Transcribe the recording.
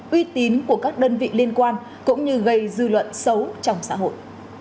uy tín của các đơn vị liên quan cũng như gây dư luận xấu trong xã hội